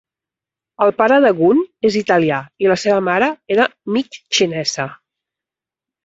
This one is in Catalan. El pare de Gunn és italià i la seva mare era mig xinesa.